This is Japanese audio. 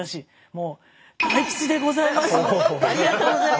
もう大吉でございます。